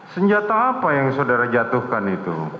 senjata apa yang saudara jatuhkan itu